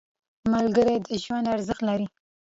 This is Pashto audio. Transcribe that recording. • ملګری د ژوند ارزښت لري.